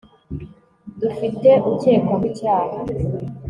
dufite ukekwaho icyaha